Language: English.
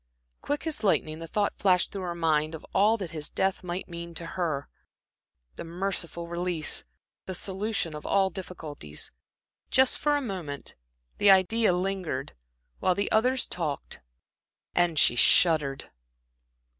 Quick as lightning the thought flashed through her mind of all that his death might mean to her the merciful release, the solution of all difficulties.... Just for a moment the idea lingered, while the others talked, and she shuddered.